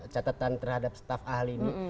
catatan terhadap staf ahli ini